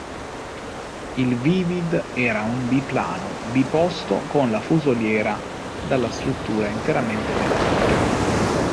Il Vivid era un biplano biposto con la fusoliera dalla struttura interamente metallica.